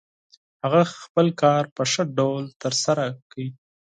هغه خپل کار په ښه ډول ترسره کړ.